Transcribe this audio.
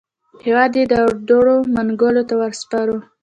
هېواد یې د اړدوړ منګولو ته وروسپاره.